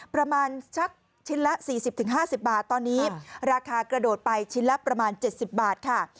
ประมาณสักชิ้นละ๔๐๕๐บาทตอนนี้ราคากระโดดไปชิ้นละประมาณ๗๐บาทค่ะ